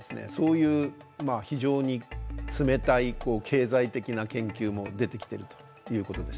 そういう非常に冷たい経済的な研究も出てきてるということです。